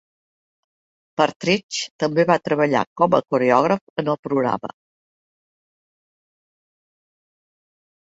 Partridge també va treballar com a coreògraf en el programa.